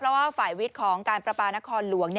เพราะว่าฝ่ายวิทย์ของการประปานครหลวง